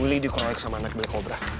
willi dikroyek sama anak black cobra